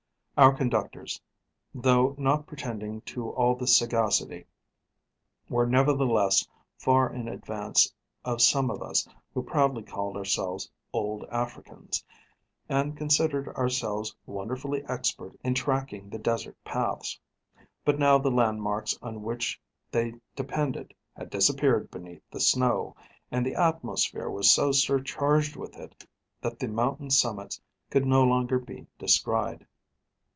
Our conductors, though not pretending to all this sagacity, were nevertheless far in advance of some of us who proudly called ourselves 'old Africans,' and considered ourselves wonderfully expert in tracking the desert paths. But now the landmarks on which they depended had disappeared beneath the snow; and the atmosphere was so surcharged with it, that the mountain summits could no longer be descried.